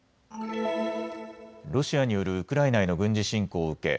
ロシアによるウクライナへの軍事侵攻を受け